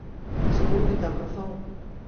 Seguro que ten razón.